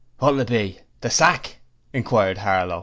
'What'll it be, the sack?' inquired Harlow.